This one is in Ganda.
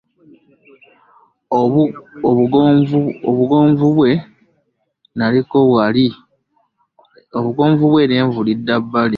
Obugonvu bwe naliko wali nga eryenvu lidda ku bbali.